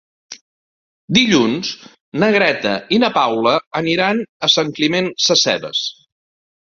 Dilluns na Greta i na Paula aniran a Sant Climent Sescebes.